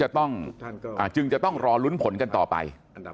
จึงจะต้องรอลุ้นผลกันต่อไป